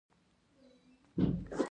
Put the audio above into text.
هیلۍ د سیند له غاړې خوند اخلي